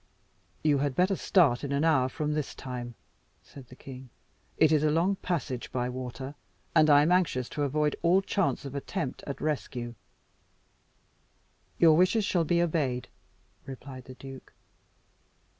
"You had better start in an hour from this time," said the king. "It is a long passage by water, and I am anxious to avoid all chance of attempt at rescue." "Your wishes shall be obeyed," replied the duke.